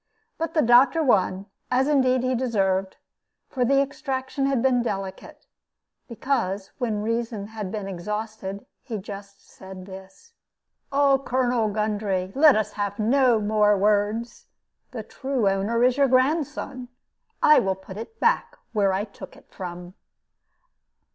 But the doctor won as indeed he deserved, for the extraction had been delicate because, when reason had been exhausted, he just said this: "Colonel Gundry, let us have no more words. The true owner is your grandson. I will put it back where I took it from."